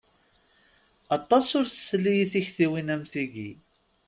Aṭas ur tesli i tiktiwin am tigi.